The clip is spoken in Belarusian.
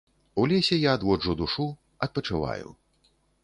У лесе я адводжу душу, адпачываю.